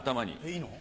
いいの？